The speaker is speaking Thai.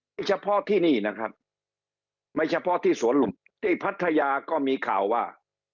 นี่เฉพาะที่นี่นะครับไม่เฉพาะที่สวนหลุมที่พัทยาก็มีข่าวว่า